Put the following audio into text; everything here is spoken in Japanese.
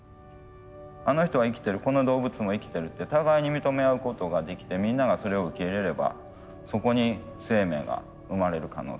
あの人は生きてるこの動物も生きてるって互いに認め合うことができてみんながそれを受け入れればそこに生命が生まれる可能性は十分にあるな。